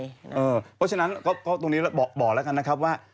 เพราะฉะนั้นก็ตรงนี้บอกแล้วกันนะครับว่า